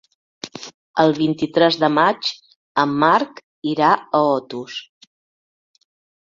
El vint-i-tres de maig en Marc irà a Otos.